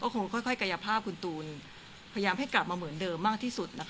คงค่อยกายภาพคุณตูนพยายามให้กลับมาเหมือนเดิมมากที่สุดนะคะ